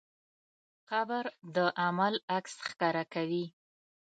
قبر د عمل عکس ښکاره کوي.